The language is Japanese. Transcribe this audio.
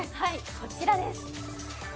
こちらです。